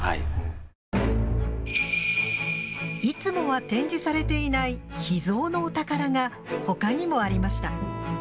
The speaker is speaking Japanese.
いつもは展示されていない秘蔵のお宝がほかにもありました。